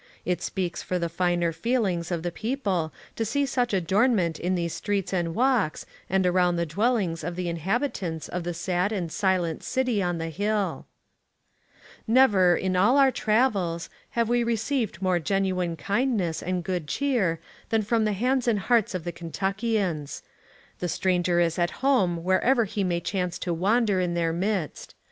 It speaks for the finer feelings of the people to see such adornment in these streets and walks, and around the VISIT TO *KBNTUCKY. 16T dwellings of the inhabitants of the sad and silent city on the hill. Never, in all our travels, have we received more genu ine kindness and good ch^er, than from the hands and hearts of the Kentnckians. The stranger is at home wherever he may chance to wander in their midst.